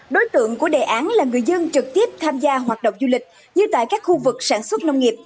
đối tượng của đề án là người dân trực tiếp tham gia hoạt động du lịch như tại các khu vực sản xuất nông nghiệp